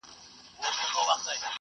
که فرد يوازي وي خطر زياتيږي.